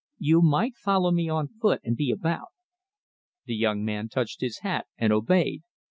You might follow me on foot and be about." The young man touched his hat and obeyed.